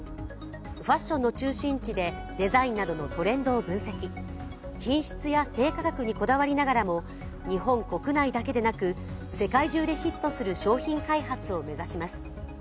ファッションの中心地で、デザインなどのトレンドを分析、品質や低価格にこだわりながらも日本国内だけでなく世界中でヒットする商品開発を目指します。